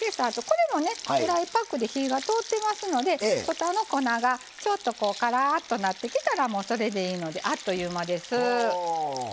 これもねドライパックで火が通ってますので外の粉がちょっとこうカラッとなってきたらもうそれでいいのであっという間です。